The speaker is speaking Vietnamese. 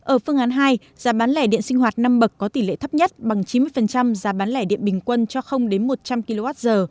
ở phương án hai giá bán lẻ điện sinh hoạt năm bậc có tỷ lệ thấp nhất bằng chín mươi giá bán lẻ điện bình quân cho đến một trăm linh kwh